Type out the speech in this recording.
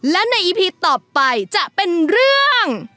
และในอีพีต่อไปจะเป็นเรื่อง